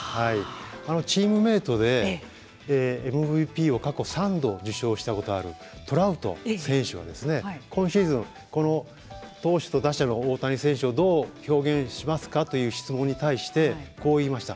チームメートでＭＶＰを過去３度受賞したことがあるトラウト選手は今シーズン、この投手と打者の大谷選手を表現しますかという質問に対してこう言いました。